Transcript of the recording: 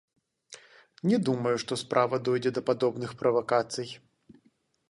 Не думаю, што справа дойдзе да падобных правакацый.